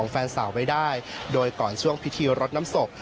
แฟนสาวไว้ได้โดยก่อนช่วงพิธีรดน้ำศพ